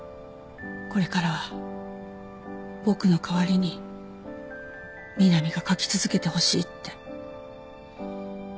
「これからは僕の代わりに美波が書き続けてほしい」って。